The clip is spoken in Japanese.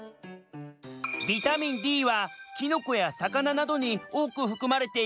ビタミンＤはきのこやさかななどにおおくふくまれているよ。